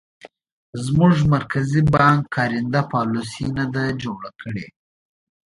زموږ مرکزي بانک کارنده پالیسي نه ده جوړه کړې.